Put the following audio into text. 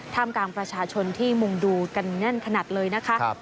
กลางประชาชนที่มุงดูกันแน่นขนาดเลยนะคะ